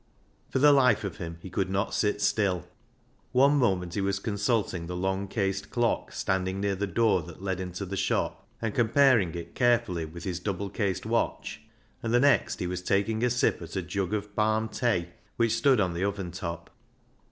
For the life of him he could not sit still. One moment he was consulting the long cased clock standing near the door that led into the shop, and comparing it carefully with his double cased watch, and the next he was taking a sip at a jug of " balm tay " which stood on the oven top.